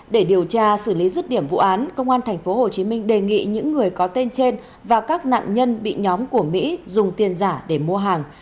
để điều tra xử lý rứt điểm vụ án công an tp hcm đề nghị những người có tên trên và các nạn nhân bị nhóm của mỹ dùng tiền giả để mua hàng